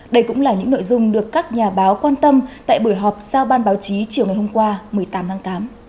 đây cũng là những nội dung được các nhà báo quan tâm tại buổi họp sau ban báo chí chiều ngày hôm qua một mươi tám tháng tám